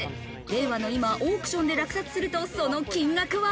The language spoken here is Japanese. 令和の今、オークションで落札するとその金額は？